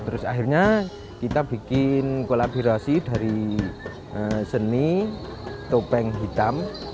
terus akhirnya kita bikin kolaborasi dari seni topeng hitam